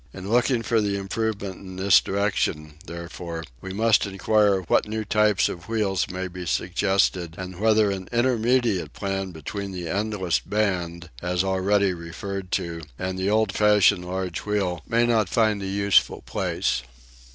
In looking for improvement in this direction, therefore, we must inquire what new types of wheel may be suggested, and whether an intermediate plan between the endless band, as already referred to, and the old fashioned large wheel may not find a useful place.